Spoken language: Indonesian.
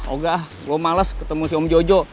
oh gak gue males ketemu si om jojo